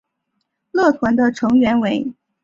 乐团的原成员为。